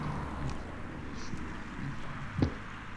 Yuba ad yecnu d Ḥnifa.